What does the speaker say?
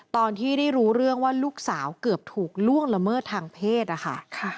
ตอนที่ได้รู้เรื่องว่าลูกสาวเกือบถูกล่วงละเมิดทางเพศนะคะ